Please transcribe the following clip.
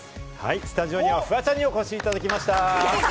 スタジオにはフワちゃんにお越しいただきました。